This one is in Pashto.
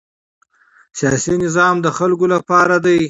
سیاسي نظام د خلکو لپاره دی